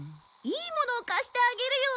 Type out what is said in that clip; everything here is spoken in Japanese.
いいものを貸してあげるよ。